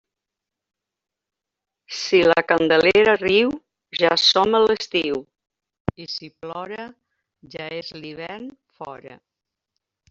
Si la Candelera riu, ja som a l'estiu; i si plora, ja és l'hivern fora.